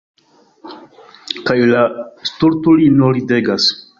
Kaj la stultulino ridegas.